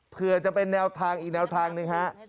เพื่อจะเป็นแนวทางอีกแนวทางหนึ่งฮะ